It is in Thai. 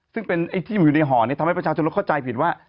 ซึ่งเป็นไอ้ที่อยู่ในห่อนี้ทำให้ประชาชนเราเข้าใจผิดว่า